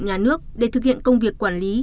nhà nước để thực hiện công việc quản lý